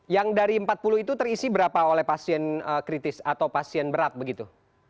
yang dari empat puluh itu terisi berapa oleh pasien kritis atau pasien berat begitu